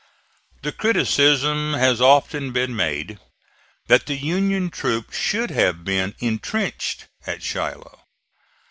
The criticism has often been made that the Union troops should have been intrenched at Shiloh.